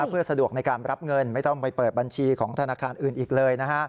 เพื่อสะดวกในการรับเงินไม่ต้องไปเปิดบัญชีของธนาคารอื่นอีกเลย